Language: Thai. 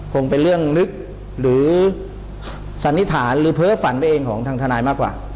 คงเป็นเรื่องลึกหรือสันนิษฐานหรือเพ้อฝันไปเองของทางทนายมากกว่า